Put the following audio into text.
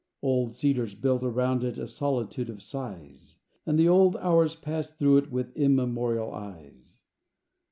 Old cedars build around it A solitude of sighs; And the old hours pass through it With immemorial eyes.